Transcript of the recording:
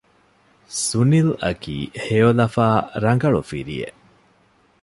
ސުނިލް އަކީ ހެޔޮލަފާ ރަނގަޅު ފިރިއެއް